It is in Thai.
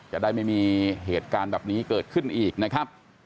จะได้ไม่มีเหตุการณ์แบบนี้เกิดขึ้นอีกนะครับ